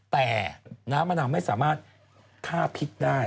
แต่น้ำมะนาวไม่สามารถฆ่าพิษได้